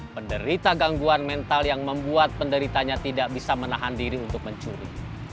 penderita gangguan mental yang membuat penderitanya tidak bisa menahan diri untuk mencuri